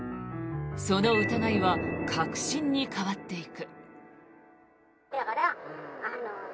その疑いは確信に変わっていく。